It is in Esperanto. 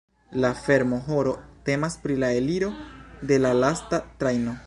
La fermo-horo temas pri la eliro de la lasta trajno.